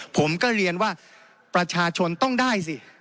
ผมก็เรียนว่าประชาชนต้องได้สิ